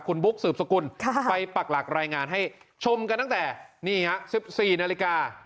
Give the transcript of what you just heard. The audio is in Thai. คุณบุ๊คสืบสกุลไปปักหลักรายงานให้ชมกันตั้งแต่นี่ฮะ๑๔นาฬิกา